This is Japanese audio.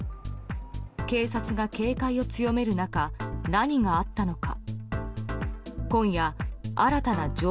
警察が警戒を強める中何があったのか。